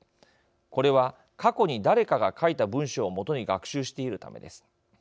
これは過去に誰かが書いた文章を基に学習しているためです。